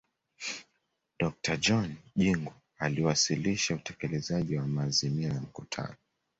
dokta john jingu aliwasilisha utekelezaji wa maazimio ya mkutano